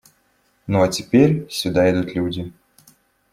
Ну, а теперь… сюда идут люди.